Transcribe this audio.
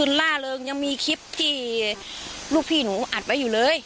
เพราะอาเองก็ดูข่าวน้องชมพู่